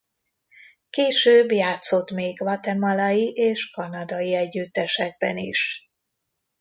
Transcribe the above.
Később játszott még guatemalai és kanadai együttesekben is.